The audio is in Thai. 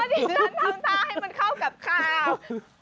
ดิฉันทำท่าให้มันเข้ากับข้าว